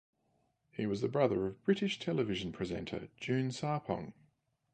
He was the brother of the British television presenter June Sarpong.